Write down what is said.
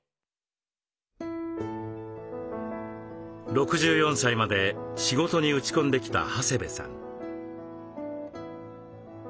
６４歳まで仕事に打ち込んできた長谷部さん。